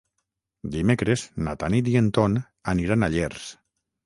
Dimecres na Tanit i en Ton aniran a Llers.